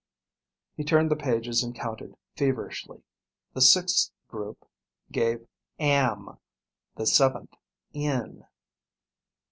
_ He turned the pages and counted feverishly. The sixth group gave "am," the seventh "in."